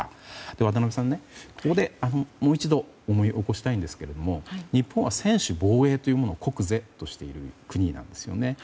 渡辺さん、ここでもう一度思い起こしたいんですけども日本は専守防衛というものを国是としている国なんですね。